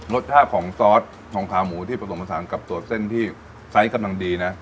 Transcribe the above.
รสชาติของซอสของขาหมูที่ผสมผสานกับตัวเส้นที่ไซส์กำลังดีนะ